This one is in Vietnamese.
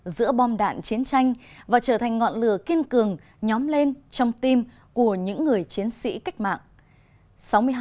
giữa bom đạn chiến tranh và trở thành ngọn lửa kiên cường nhóm lên trong tim của những người chiến sĩ cách mạng